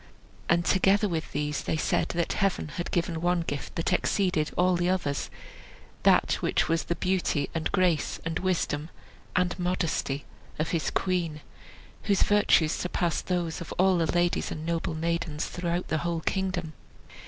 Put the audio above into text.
And together with these they said that Heaven had given one gift that exceeded all the others, which was the beauty, and grace, and wisdom, and modesty of his queen, whose virtues surpassed those of all the ladies and noble maidens throughout the whole kingdom.